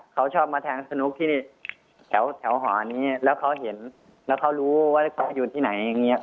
เขาชอบมาแทงสนุกที่แถวหอนี้แล้วเขาเห็นแล้วเขารู้ว่าเขาอยู่ที่ไหนอย่างนี้